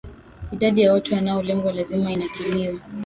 idadi ya watu wanaolengwa lazima inakiliwe